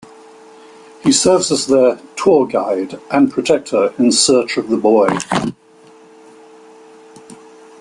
He serves as their "tour guide" and protector in search of the boy.